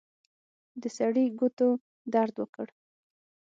د سړي ګوتو درد وکړ.